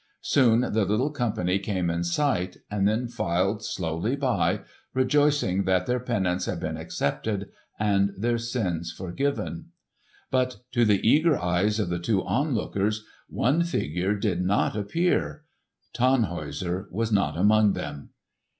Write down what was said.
Soon the little company came in sight, and then filed slowly by, rejoicing that their penance had been accepted and their sins forgiven. But to the eager eyes of the two onlookers one figure did not appear. Tannhäuser was not among them.